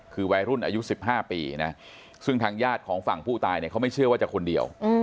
คือวัยรุ่นอายุ๑๕ปีนะซึ่งทางญาติของฝั่งผู้ตายเนี่ยเขาไม่เชื่อว่าจะคนเดียว